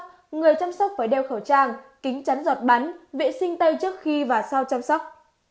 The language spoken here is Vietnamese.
trường hợp cần có người chăm sóc phải đeo khẩu trang kính chắn giọt bắn vệ sinh tay trước khi và sau chăm sóc